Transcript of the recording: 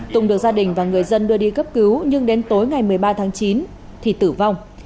tùng được gia đình và người dân đưa đi cấp cứu nhưng đến tối ngày một mươi ba tháng chín thì tử vong